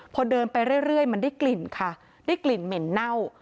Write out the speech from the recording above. พอเดินไปเรื่อยมันได้กลิ่นค่ะได้กลิ่นเหม็นเน่า